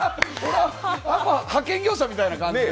派遣業者みたいな感じで。